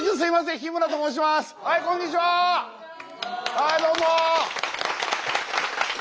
はいどうも！